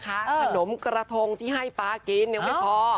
ขนมกระทงที่ให้ป๊ากินยังไม่พอ